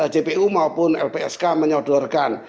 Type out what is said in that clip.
jpu maupun lpsk menyodorkan